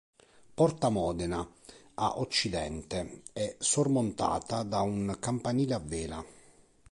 Porta Modena, a occidente, è sormontata da un campanile a vela.